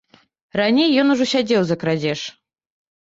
Раней ён ужо сядзеў за крадзеж.